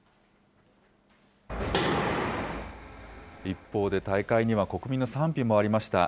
一方で大会には国民の賛否もありました。